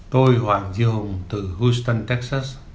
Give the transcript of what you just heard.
tôi hoàng duy hùng từ houston texas